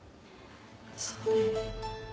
そうね。